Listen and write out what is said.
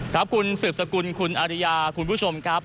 ครับคุณสืบสกุลคุณอาริยาคุณผู้ชมครับ